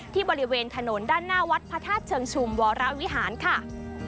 บริเวณถนนด้านหน้าวัดพระธาตุเชิงชุมวรวิหารค่ะ